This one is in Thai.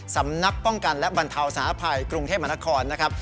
สำนักป้องกันและบรรเทาสาภัยกรุงเทพมหานครนะครับ